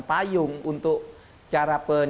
payung untuk cara